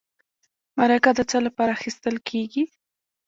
مرکه د څه لپاره اخیستل کیږي؟